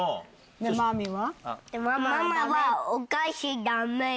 マミィは？